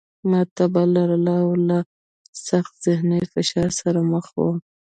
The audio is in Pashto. ما تبه لرله او له سخت ذهني فشار سره مخ وم